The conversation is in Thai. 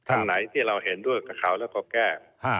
อันไหนที่เราเห็นด้วยกับเขาแล้วก็แก้